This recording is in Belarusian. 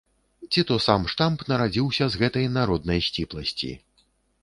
Ці то сам штамп нарадзіўся з гэтай народнай сціпласці.